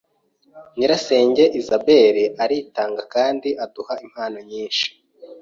Nyirasenge Isabel aritanga kandi aduha impano nyinshi.